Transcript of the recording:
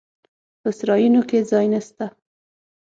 په سرایونو کې ځای نسته.